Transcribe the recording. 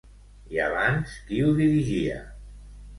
I abans qui ho dirigia?